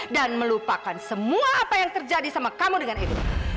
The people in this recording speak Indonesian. dan melupakan semua apa yang terjadi sama kamu dengan edo